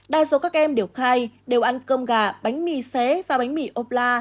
đa số các em đều khai đều ăn cơm gà bánh mì xế và bánh mì ốp la